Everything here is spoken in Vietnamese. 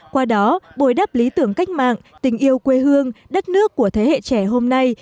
qua đó bồi đắp lý tưởng cách mạng tình yêu quê hương đất nước của thế hệ trẻ hôm nay